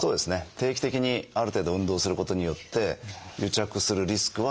定期的にある程度運動することによって癒着するリスクは減るとは思うんですね。